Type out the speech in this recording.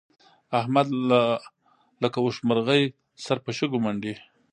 احمد لکه اوښمرغی سر په شګو منډي.